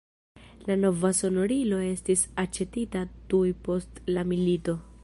La nova sonorilo estis aĉetita tuj post la milito.